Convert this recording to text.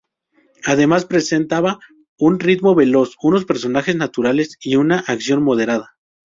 Además presentaba un ritmo veloz, unos personajes "naturales" y una acción moderada.